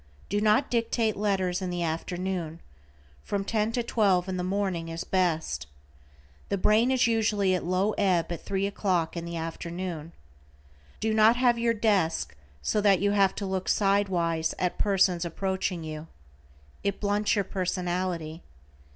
Do not dictate letters in the afternoon; from ten to twelve in the morning is best. The brain is usually at low ebb at three o'clock in the afternoon. Do not have your desk so that you have to look side wise at persons approaching you. It blunts your personality.